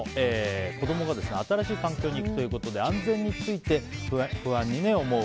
子供が新しい環境にいくということで不安に思う